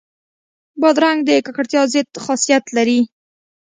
بادرنګ د ککړتیا ضد خاصیت لري.